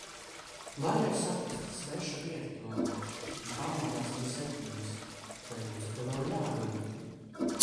Var jau saprast, sveša vieta tomēr. Un pamodās arī septiņos, teicu, ka vēl jāguļ.